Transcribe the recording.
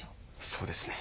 そうですね。